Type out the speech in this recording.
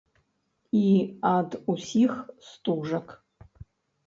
І ад усіх стужак.